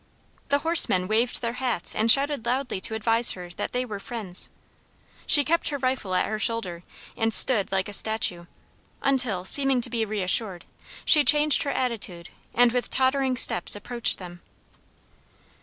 The horsemen waved their hats and shouted loudly to advise her that they were friends. She kept her rifle at her shoulder and stood like a statue, until, seeming to be reassured, she changed her attitude and with tottering steps approached them.